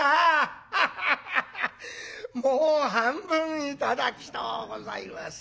もう半分頂きとうございます」。